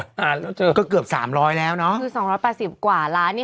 อ่าแล้วเจอก็เกือบสามร้อยแล้วเนอะคือสองร้อยแปดสิบกว่าล้านเนี้ย